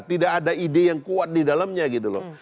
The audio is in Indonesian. tidak ada ide yang kuat di dalamnya gitu loh